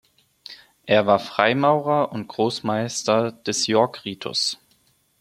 Er war Freimaurer und Großmeister des York-Ritus.